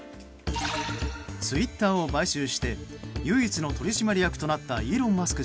ツイッターを買収して唯一の取締役となったイーロン・マスク